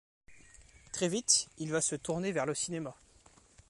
Très vite, il va se tourner vers le cinéma.